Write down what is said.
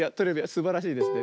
すばらしいですね。